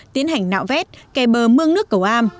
tiến hành nạo vét kè bờ mương nước cầu am